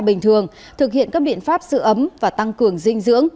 bình thường thực hiện các biện pháp sự ấm và tăng cường dinh dưỡng